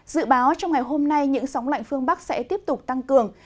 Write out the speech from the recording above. dự báo trong ngày hôm nay những sóng lạnh phương bắc sẽ tiếp tục tăng cường